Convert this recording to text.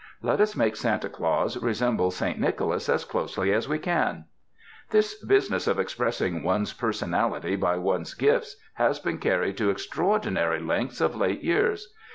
Let us make Santa Claus resemble Saint Nicholas as closely as we can. This business of expressing one s personality by one's gifts has been carried to extraordinary lengths of late years.